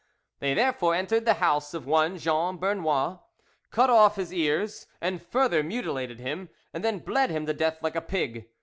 They therefore entered the house of one Jean Bernoin, cut off his ears and further mutilated him, and then bled him to death like a pig.